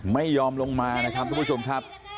ไม่ยอมลงมานะครับทุกผู้ชมครับ